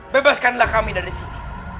bebaskanlah kami dari sini